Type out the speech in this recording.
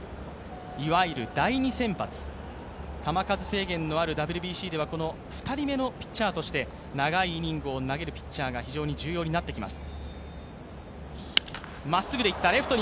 いわゆる第２先発、球数制限のあるＷＢＣではこの２人目のピッチャーとして長いイニングを投げるピッチャーが非常に重要になってきます。